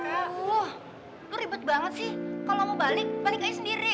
loh ribet banget sih kalau mau balik balik aja sendiri